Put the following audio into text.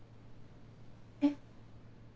えっ？